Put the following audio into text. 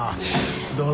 どうだ？